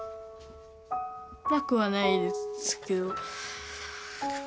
なくはないですけど。